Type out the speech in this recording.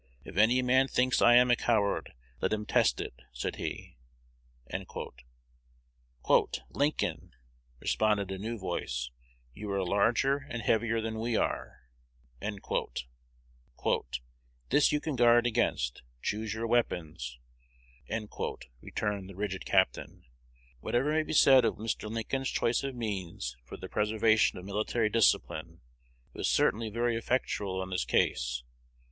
"If any man thinks I am a coward, let him test it," said he. "Lincoln," responded a new voice, "you are larger and heavier than we are." "This you can guard against: choose your weapons," returned the rigid captain. Whatever may be said of Mr. Lincoln's choice of means for the preservation of military discipline, it was certainly very effectual in this case.